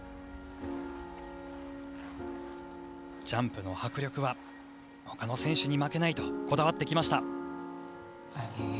ジャンプの迫力はほかの選手に負けないとこだわってきました。